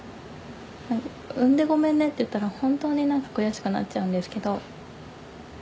「産んでごめんね」って言ったら本当に悔しくなっちゃうんですけど。